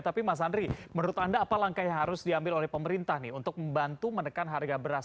tapi mas andri menurut anda apa langkah yang harus diambil oleh pemerintah nih untuk membantu menekan harga beras